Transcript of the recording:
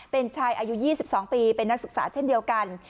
เป็นชายอายุ๒๒ปีเป็นนักศึกษาเช่นเดียวกัน